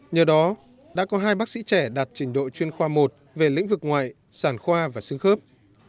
nhờ đó đã có hai bác sĩ trẻ đạt trình độ chuyên khoa một về lĩnh vực ngoại sản khoa và xương khớp